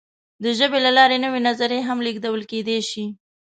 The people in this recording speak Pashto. د ژبې له لارې نوې نظریې هم لېږدول کېدی شي.